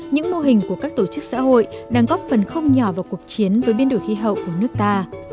những mô hình của các tổ chức xã hội đang góp phần không nhỏ vào cuộc chiến với biến đổi khí hậu ở nước ta